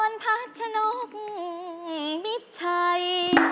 อ่อนพัชนกมิดชัย